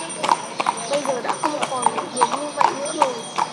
Bây giờ đã không còn được như vậy nữa rồi